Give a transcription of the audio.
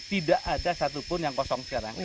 tidak ada satupun yang kosong sekarang